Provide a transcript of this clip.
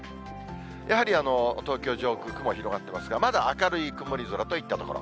やはり東京上空、雲広がっていますが、まだ明るい曇り空といったところ。